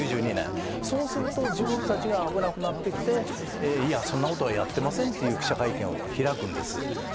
そうすると自分たちが危なくなってきて、そんなことはやってませんという記者会見を開くんです。